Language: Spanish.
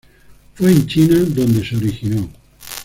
Fue en China, donde se originó.